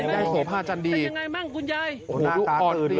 ได้โสภาจันดีเป็นยังไงบ้างคุณยายหน้าตาอื่นเลย